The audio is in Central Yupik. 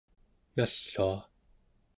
nallua